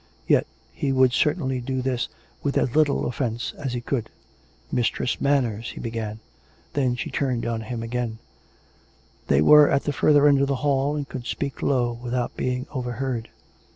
Yet he would certainly do this with as little offence as he could. " Mistress Manners " he began. Then she turned on him again. They were at the further end of the hall, and could speak low without being over heard.